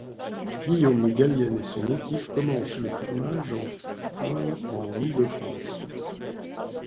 Guillaume Gallienne et son équipe commencent le tournage en fin en Île-de-France.